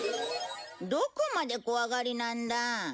どこまで怖がりなんだ。